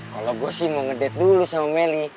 kalo gue sih mau ngedate dulu sama meli